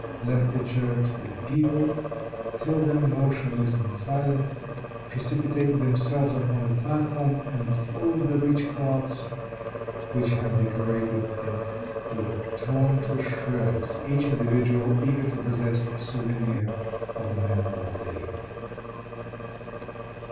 left the church, the people, till then motionless and silent, precipitated themselves upon the platform, and all the rich cloths which had decorated it were torn to shreds, each individual eager to possess a souvenir of the memorable day.